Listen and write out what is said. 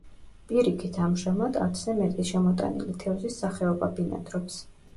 პირიქით, ამჟამად, ათზე მეტი შემოტანილი თევზის სახეობა ბინადრობს.